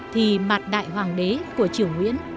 thì mặt đại hoàng đế của triều nguyễn